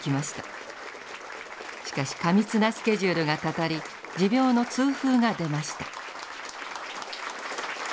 しかし過密なスケジュールがたたり持病の痛風が出ました。